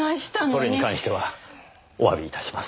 それに関してはお詫び致します。